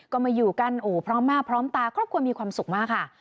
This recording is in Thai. ก็มาอยู่กันโอ้พร้อมหน้าพร้อมตาครอบครัวมีความสุขมากค่ะ